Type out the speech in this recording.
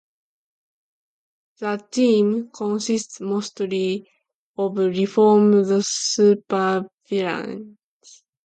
The team consists mostly of reformed supervillains.